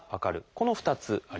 この２つあります。